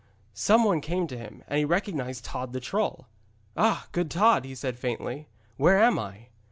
Some one came to him, and he recognised Tod the troll. 'Ah, good Tod,' said he faintly. 'Where am I?'